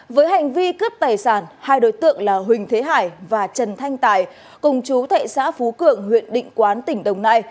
với hành vi cướp tài sản hai đối tượng là huỳnh thế hải và trần thanh tài cùng chú thệ xã phú cường huyện định quán tỉnh đồng nai